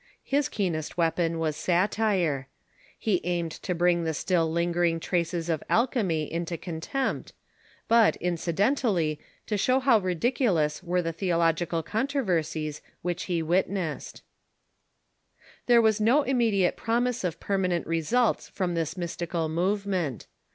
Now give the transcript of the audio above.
His keenest weapon was satire. He aimed to bring the still lingering traces of alchemy into contempt, but, incidentally, to show how ridiculous were the theological controversies which he witnessed. 314 THE MODERN CHURCH There was no immediate promise of permanent results from this Mystical movement.